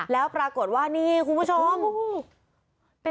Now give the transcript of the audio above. แล้วปรากฏว่านี่คุณผู้ชม